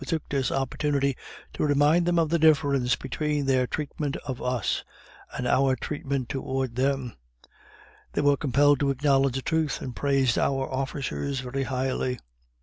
We took this opportunity to remind them of the difference between their treatment of us, and our treatment toward them; they were compelled to acknowledge the truth, and praised our officers very highly.